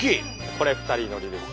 これ２人乗りです。